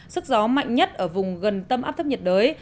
sức gió mạnh nhất ở vùng gần tâm áp thấp nhiệt đới